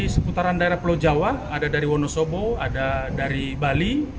seputaran daerah pulau jawa ada dari wonosobo ada dari bali